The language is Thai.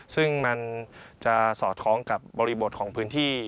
ซึ่งมันจะสอดคล้องกับบริบทของพื้นที่